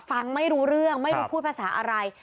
ฟังไม่รู้เรื่องไม่รู้พูดภาษาอะไร